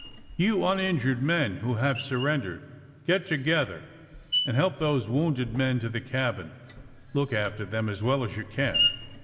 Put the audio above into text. ^'You uninjured men, who have surrendered, get to gether and help these wounded men to the cabine Look after them as well as you can."